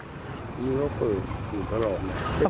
ตรงนี้เขาเปิดอยู่ตลอด